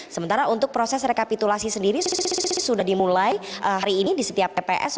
sementara untuk proses rekapitulasi sendiri sudah dimulai hari ini di setiap tps